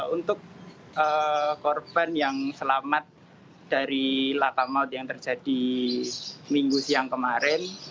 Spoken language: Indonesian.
untuk korban yang selamat dari lakamaut yang terjadi minggu siang kemarin